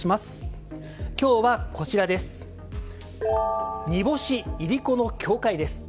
今日は、こちら煮干し、いりこの境界です。